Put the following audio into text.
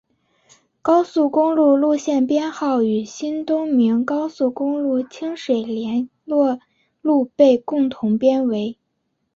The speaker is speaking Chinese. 高速公路路线编号与新东名高速公路清水联络路被共同编为。